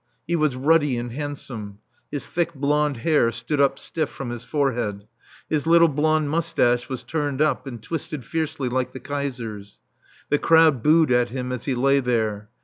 He was ruddy and handsome. His thick blond hair stood up stiff from his forehead. His little blond moustache was turned up and twisted fiercely like the Kaiser's. The crowd booed at him as he lay there.